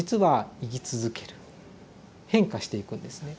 変化していくんですね。